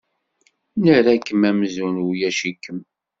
Nerra-kem amzun ulac-ikem.